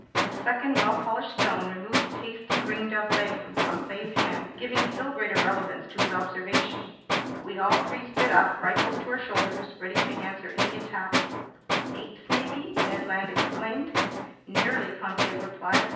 A second well polished stone removed a tasty ringdove leg from Conseil's hand, giving still greater relevance to his observation. We all three stood up, rifles to our shoulders, ready to answer any attack. "Apes maybe?" Ned Land exclaimed. "Nearly," Conseil replied.